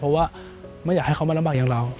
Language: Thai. เพราะว่าไม่อยากให้เขามาลำบากอย่างเรา